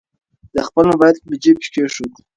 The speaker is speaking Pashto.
ده خپل موبایل په جیب کې کېښود.